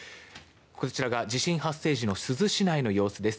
こちらが地震発生時の珠洲市内の様子です。